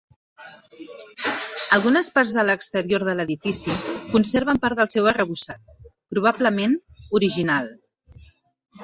Algunes parts de l'exterior de l'edifici conserven part del seu arrebossat, probablement original.